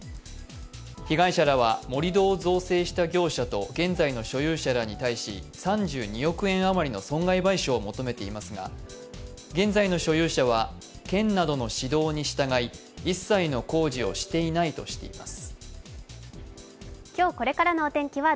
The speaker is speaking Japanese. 被害者らは、盛り土を造成した業者と現在の所有者らに対し、３２億円余りの損害賠償を求めていますが現在の所有者は県などの指導に従い一切の工事をしていないとしています。